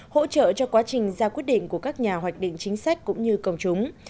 hỗ trợ cho quá trình ra quyết định của các nhà hoạch định chính sách cũng như công chúng